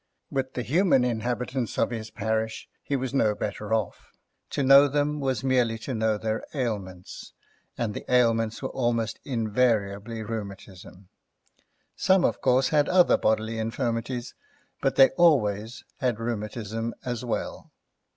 With the human inhabitants of his parish he was no better off; to know them was merely to know their ailments, and the ailments were almost invariably rheumatism. Some, of course, had other bodily infirmities, but they always had rheumatism as well.